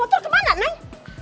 motor kemana neng